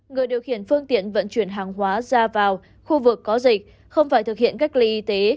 người điều khiển phương tiện vận chuyển hàng hóa ra vào khu vực có dịch không phải thực hiện cách ly y tế